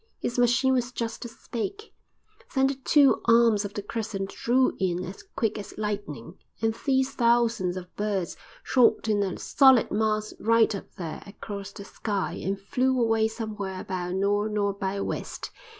His machine was just a speck. Then the two arms of the crescent drew in as quick as lightning, and these thousands of birds shot in a solid mass right up there across the sky, and flew away somewhere about nor' nor' by west.